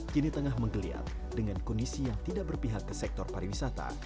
kini tengah menggeliat dengan kondisi yang tidak berpihak ke sektor pariwisata